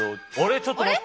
ちょっと待って。